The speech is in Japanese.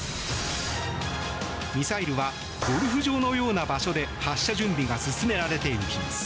ミサイルはゴルフ場のような場所で発射準備が進められていきます。